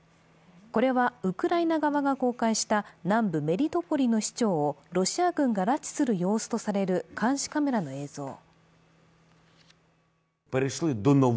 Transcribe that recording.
これはウクライナ側が公開した南部メリトポリの市長をロシア軍が拉致する様子とされる監視カメラの映像。